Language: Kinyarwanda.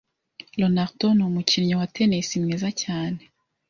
Ronaldo ni umukinnyi wa tennis mwiza cyane.